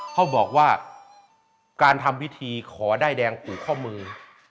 เขาบอกว่าการทำพิธีขอด้ายแดงผูกข้อมือ